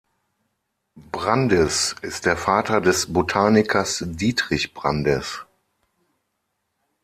Brandis ist der Vater des Botanikers Dietrich Brandis.